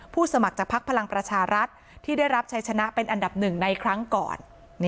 สมัครจากภักดิ์พลังประชารัฐที่ได้รับชัยชนะเป็นอันดับหนึ่งในครั้งก่อน